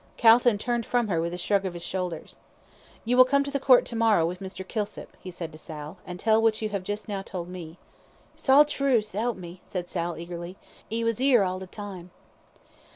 Calton turned from her with a shrug of his shoulders. "You will come to the Court to morrow with Mr. Kilsip," he said to Sal, "and tell what you have just now told me." "It's all true, s'elp me," said Sal, eagerly; "'e was 'ere all the time."